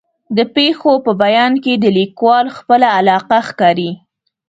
د پېښو په بیان کې د لیکوال خپله علاقه ښکاري.